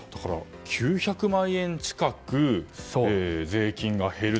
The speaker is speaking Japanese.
９００万円近く税金が減ると。